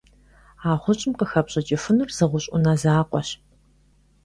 А гъущӀым къыхэпщӀыкӀыфынур зы гъущӀ Ӏунэ закъуэщ.